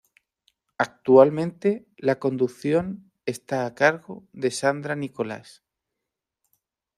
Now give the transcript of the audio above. Actualmente, la conducción está a cargo de Sandra Nicolás.